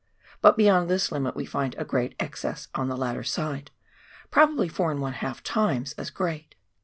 But beyond this limit we find a great excess on the latter side — probably 4^ times as great.